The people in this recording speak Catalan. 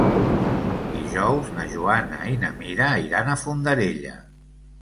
Dijous na Joana i na Mira iran a Fondarella.